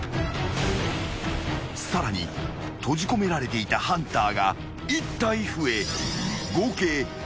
［さらに閉じ込められていたハンターが１体増え合計